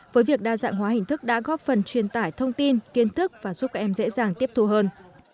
với việc đa dạng hóa hình thức đã góp phần truyền tải thông tin kiến thức và giúp các em dễ dàng tiếp thù hơn